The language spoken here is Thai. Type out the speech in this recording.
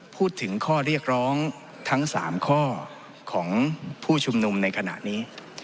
พูดถึงข้อเรียกร้องทั้ง๓ข้อของผู้ชุมนุมในขณะนี้